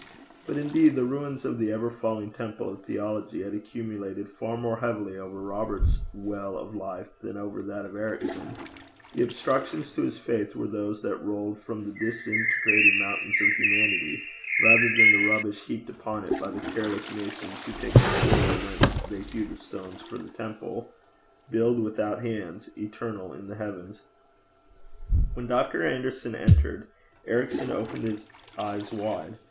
But indeed the ruins of the ever falling temple of theology had accumulated far more heavily over Robert's well of life, than over that of Ericson: the obstructions to his faith were those that rolled from the disintegrating mountains of humanity, rather than the rubbish heaped upon it by the careless masons who take the quarry whence they hew the stones for the temple built without hands eternal in the heavens. When Dr. Anderson entered, Ericson opened his eyes wide.